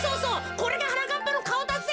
これがはなかっぱのかおだぜ。